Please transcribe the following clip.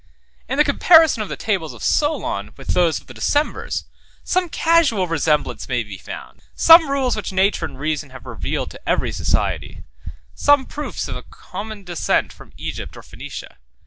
In the comparison of the tables of Solon with those of the Decemvirs, some casual resemblance may be found; some rules which nature and reason have revealed to every society; some proofs of a common descent from Egypt or Phoenicia.